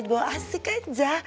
dibawa asik aja